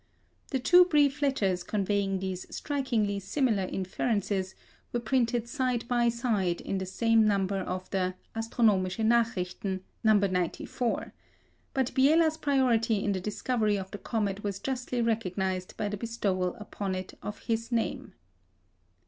The two brief letters conveying these strikingly similar inferences were printed side by side in the same number of the Astronomische Nachrichten (No. 94); but Biela's priority in the discovery of the comet was justly recognised by the bestowal upon it of his name.